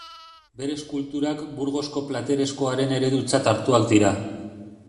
Bere eskulturak Burgosko platereskoaren eredutzat hartuak dira.